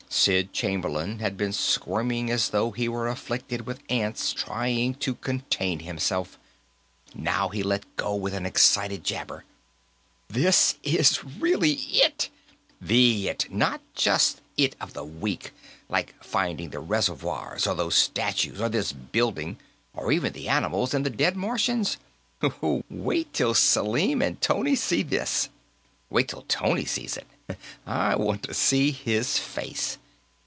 Sid Chamberlain had been squirming as though he were afflicted with ants, trying to contain himself. Now he let go with an excited jabber. "This is really it! The it, not just it of the week, like finding the reservoirs or those statues or this building, or even the animals and the dead Martians! Wait till Selim and Tony see this! Wait till Tony sees it; I want to see his face!